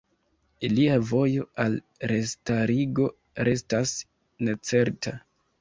Ilia vojo al restarigo restas necerta.